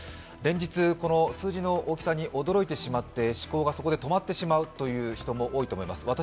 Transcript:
連日数字の大きさに驚いてしまって思考がそこで止まってしまうという人が多いと思います。